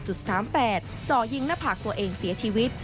จ่อยิงหน้าผากตัวเองเสียชีวิต